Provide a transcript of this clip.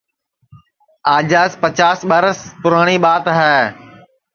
آجاس پچاس ٻرس پُراٹؔی ٻات ہے